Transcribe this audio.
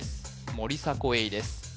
森迫永依です